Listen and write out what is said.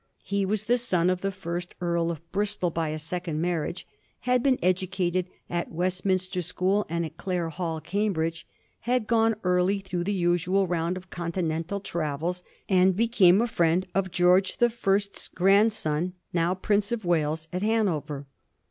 He was the son of the first Earl of Bristol by a second marriage, had been educated at Westminster School and at Clare Hall, Cambridge ; had gone early through the usual round of Continental travels, and became a friend of George the First's grandson, now Prince of Wales, at Han over.